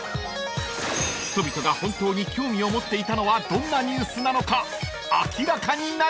［人々が本当に興味を持っていたのはどんなニュースなのか明らかになります］